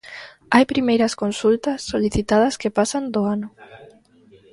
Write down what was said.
Hai primeiras consultas solicitadas que pasan do ano.